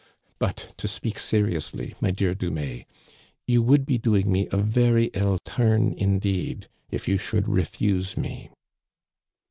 But, to speak seriously, my dear Dumais, you would be doing me a very ill turn, indeed, if you should refuse me.